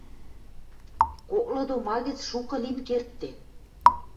коклы тома гӹц шукы лин кердде